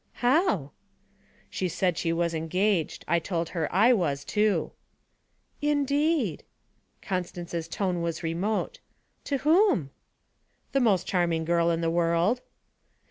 'How?' 'She said she was engaged. I told her I was too.' 'Indeed!' Constance's tone was remote. 'To whom?' 'The most charming girl in the world.'